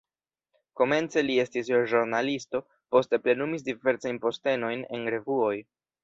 Komence li estis ĵurnalisto, poste plenumis diversajn postenojn en revuoj.